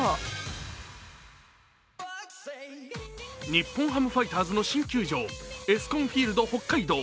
日本ハムファイターズの新球場ＥＳＣＯＮＦＩＥＬＤＨＯＫＫＡＩＤＯ。